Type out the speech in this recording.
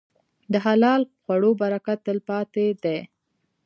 د حلال خوړو برکت تل پاتې دی.